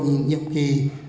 nhiệm kỳ một mươi năm hai mươi